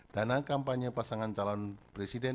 dana kampanye pasangan calon presiden